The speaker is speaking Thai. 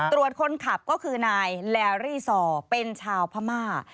ตรวจคนขับก็คือนายแลรี่ซอเป็นชาวพม่า